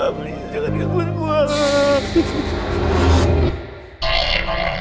please jangan gangguin gue